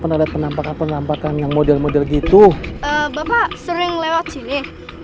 pernah lihat penampakan penampakan yang model model gitu bapak sering lewat sini